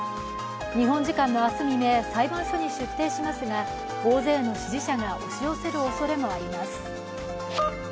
日本時間の明日未明裁判所に出廷しますが大勢の支持者が押し寄せるおそれもあります。